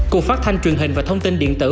cục phát thanh truyền hình và thông tin điện tử